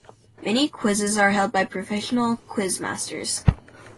Many quizzes are held by professional quizmasters.